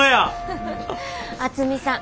渥美さん